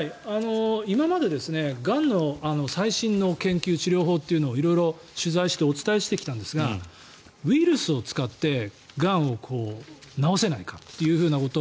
今までがんの最新の研究治療法というのを色々と取材してお伝えしてきたんですがウイルスを使ってがんを治せないかということ